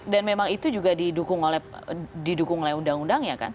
dan memang itu juga didukung oleh undang undang ya kan